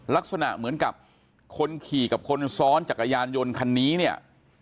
ลักษณะเหมือนกับคนขี่กับคนซ้อนจักรยานยนต์คันนี้เนี่ย